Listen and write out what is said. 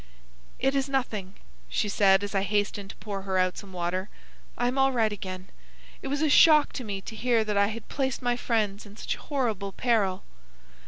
"It is nothing," she said, as I hastened to pour her out some water. "I am all right again. It was a shock to me to hear that I had placed my friends in such horrible peril."